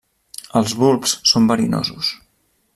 Els bulbs són verinosos.